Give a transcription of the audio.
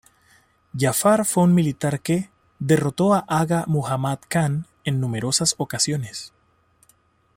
Jafar fue un militar que derrotó a Aga Muhammad Khan en numerosas ocasiones.